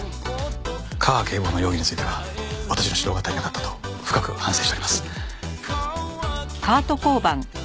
架川警部補の容疑については私の指導が足りなかったと深く反省しております。